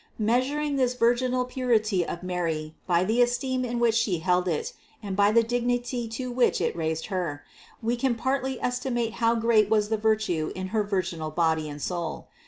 Measuring this virginal purity of Mary by the esteem in which She held it, and by the dignity to which it raised Her, we can partly estimate how great was that virtue in her virginal body and soul.